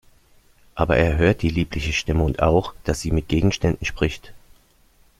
Aber er hört die liebliche Stimme und auch, dass sie mit Gegenständen spricht.